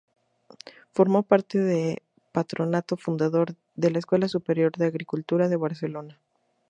Formó parte de patronato fundador del la Escuela Superior de Agricultura de Barcelona.